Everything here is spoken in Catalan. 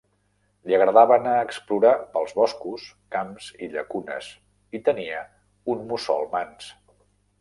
Li agradava anar a explorar pels boscos, camps i llacunes i tenia un mussol mans.